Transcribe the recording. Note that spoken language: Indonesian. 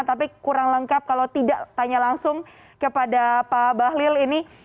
tapi kurang lengkap kalau tidak tanya langsung kepada pak bahlil ini